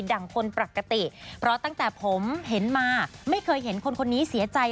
คนปกติเพราะตั้งแต่ผมเห็นมาไม่เคยเห็นคนคนนี้เสียใจ